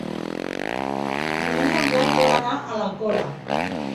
Diumenge en Blai vol anar a l'Alcora.